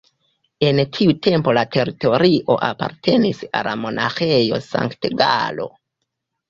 En tiu tempo la teritorio apartenis al la Monaĥejo Sankt-Galo.